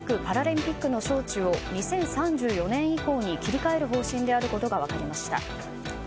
札幌市が冬のオリンピック・パラリンピックの招致を２０３４年以降に切り替える方針であることが分かりました。